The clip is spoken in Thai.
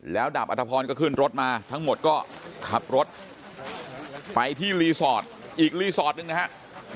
แล้วดาบอัธพรก็ขึ้นรถมาทั้งหมดก็ขับรถไปที่รีสอร์ทอีกรีสอร์ทหนึ่งนะฮะ